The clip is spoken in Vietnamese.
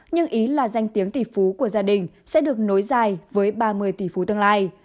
nhưng ý là danh tiếng tỷ phú của gia đình sẽ được nối dài với ba mươi tỷ phú tương lai